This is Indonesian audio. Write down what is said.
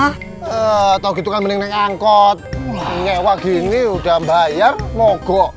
eh tau gitu kan mending naik angkot lewa gini udah bayar mogok